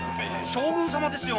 将軍様ですよ。